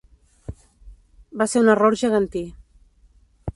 Va ser un error gegantí.